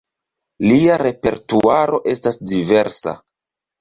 Lia repertuaro estas diversa.